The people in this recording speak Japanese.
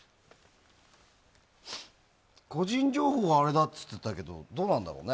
個人情報があれだっていうけどどうなんだろうね。